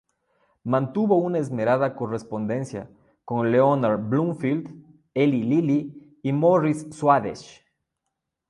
Mantuvo una esmerada correspondencia con Leonard Bloomfield, Eli Lilly, y Morris Swadesh.